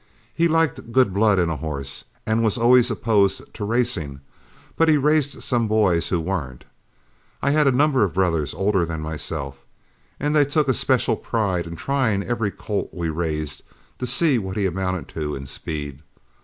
He liked good blood in a horse, and was always opposed to racing, but he raised some boys who weren't. I had a number of brothers older than myself, and they took a special pride in trying every colt we raised, to see what he amounted to in speed.